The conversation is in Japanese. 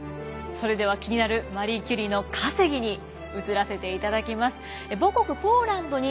それでは気になるマリー・キュリーの稼ぎに移らせていただきます。